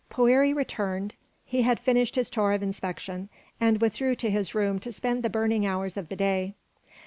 Poëri returned. He had finished his tour of inspection, and withdrew to his room to spend the burning hours of the day.